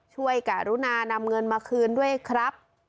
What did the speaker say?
การุณานำเงินมาคืนด้วยครับ